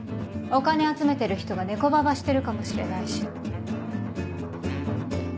お金集めてる人がネコババしてるかもしれないし。